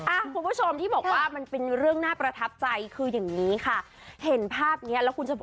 คุณผู้ชมที่บอกว่ามันเป็นเรื่องน่าประทับใจคืออย่างนี้ค่ะเห็นภาพเนี้ยแล้วคุณจะบอก